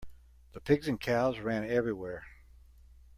The pigs and cows ran everywhere.